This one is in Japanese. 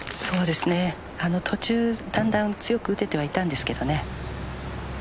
途中、だんだん強く打ててはいたんですけど。